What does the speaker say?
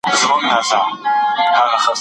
اسلام د ملکیت په اړه منځلاری دی.